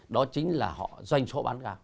đó chính là họ dành cho họ bán hàng